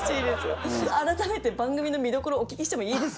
改めて番組の見どころをお聞きしてもいいですか？